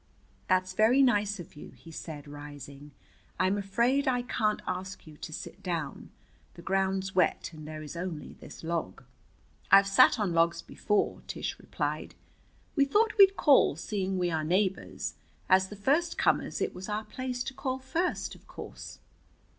"That's very nice of you," he said, rising. "I'm afraid I can't ask you to sit down. The ground's wet and there is only this log." "I've sat on logs before," Tish replied. "We thought we'd call, seeing we are neighbors. As the first comers it was our place to call first, of course."